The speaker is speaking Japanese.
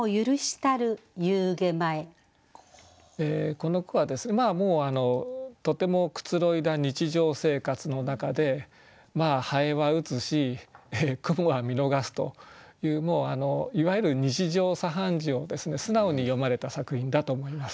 この句はとてもくつろいだ日常生活の中で蠅は打つし蜘蛛は見逃すといういわゆる日常茶飯事を素直に詠まれた作品だと思います。